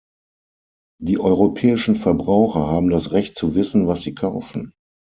Die europäischen Verbraucher haben das Recht zu wissen, was sie kaufen.